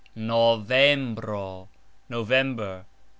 Novembro : November.